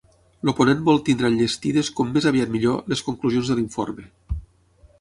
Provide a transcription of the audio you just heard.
El ponent vol tenir enllestides ‘com més aviat millor’ les conclusions de l’informe.